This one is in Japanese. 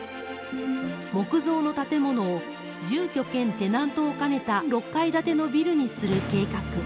木造の建物を住居兼テナントを兼ねた、６階建てのビルにする計画。